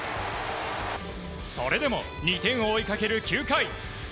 それでも２点を追いかける９回。